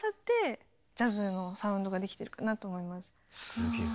すげえ。